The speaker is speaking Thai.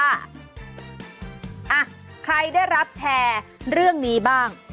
อ่ะใครได้รับแชร์เรื่องนี้บ้าง